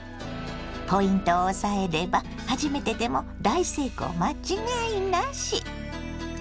ポイントを押さえれば初めてでも大成功間違いなし。